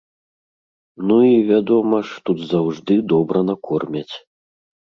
Ну і, вядома ж, тут заўжды добра накормяць.